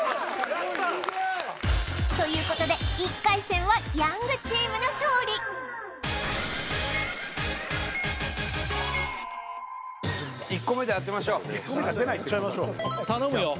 やった！ということで１回戦はヤングチームの勝利１個目で当てましょう１個目が出ない頼むよ